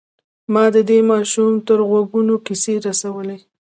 ما د دې ماشوم تر غوږونو کيسې رسولې.